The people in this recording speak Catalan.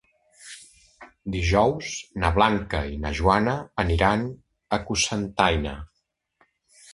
Dijous na Blanca i na Joana aniran a Cocentaina.